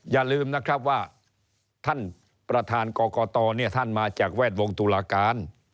อย่าลืมนะครับว่าท่านประธานกรกตเนี่ยท่านมาจากแวดวงตุลาการ